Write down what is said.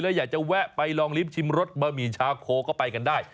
แล้วอยากจะแวะไปลองลิ้มชิมรสมะหมี่ชาโคก็ไปกันได้